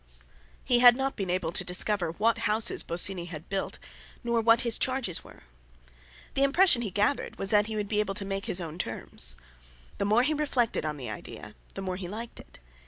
He had not been able to discover what houses Bosinney had built, nor what his charges were. The impression he gathered was that he would be able to make his own terms. The more he reflected on the idea, the more he liked it.